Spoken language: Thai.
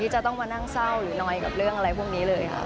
จะต้องมานั่งเศร้าหรือนอยกับเรื่องอะไรพวกนี้เลยค่ะ